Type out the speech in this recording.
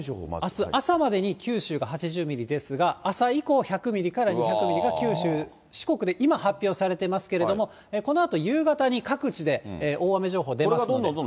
あす朝までに九州が８０ミリですが、朝以降、１００ミリから２００ミリが九州、四国で今発表されていますけれども、このあと夕方に各地で大雨情報出ますので。